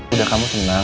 udah kamu senang